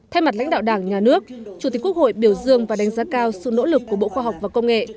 thay mặt lãnh đạo đảng nhà nước chủ tịch quốc hội biểu dương và đánh giá cao sự nỗ lực của bộ khoa học và công nghệ